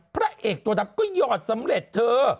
พระเอกตัวดำก็หยอดสำเร็จเธอ